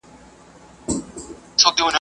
دغه هلک پرون په سیند کي ډوب سو.